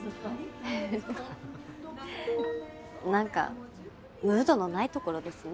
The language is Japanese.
なんかムードのないところですね。